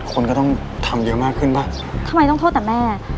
คนก็ต้องทำเยอะมากขึ้นป่ะทำไมต้องโทษแต่แม่